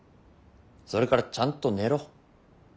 それからちゃんと寝ろ。